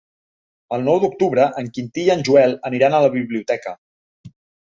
El nou d'octubre en Quintí i en Joel aniran a la biblioteca.